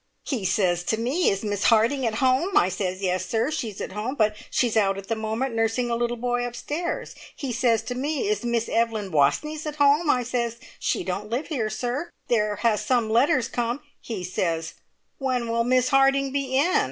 "He says to me, `Is Miss Harding at home?' I says, `Yes, sir, she's at home, but she's out at the moment nursing a little boy upstairs'. He says to me, `Is Miss Evelyn Wastneys at home?' I says, `She don't live here, sir. There has some letters come ' He says, `When will Miss Harding be in?'